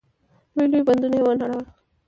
لوی لوی بندونه يې ونړول.